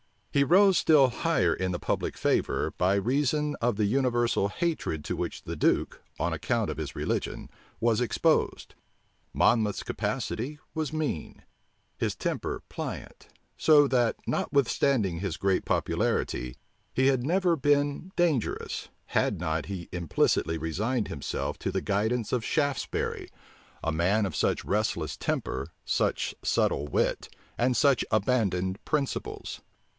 He rose still higher in the public favor, by reason of the universal hatred to which the duke, on account of his religion, was exposed. Monmouth's capacity was mean; his temper pliant: so that, notwithstanding his great popularity, he had never been dangerous, had he not implicitly resigned himself to the guidance of Shaftesbury, a man of such a restless temper, such subtle wit, and such abandoned principles.